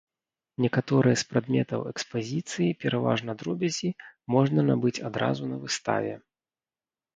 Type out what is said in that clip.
Некаторыя з прадметаў экспазіцыі, пераважна дробязі, можна набыць адразу на выставе.